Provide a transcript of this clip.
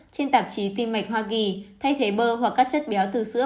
trên tạp chí tim mạch hoa kỳ thay thế bơ hoặc các chất béo từ sữa